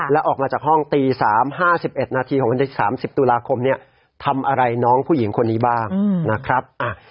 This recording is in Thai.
แล้วออกมาจากห้องตี๓๕๑นาทีของวันที่๓๐ตุลาคมเนี่ยทำอะไรน้องผู้หญิงคนนี้บ้างนะครับ